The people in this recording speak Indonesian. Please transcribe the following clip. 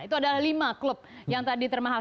itu adalah lima klub yang tadi termahal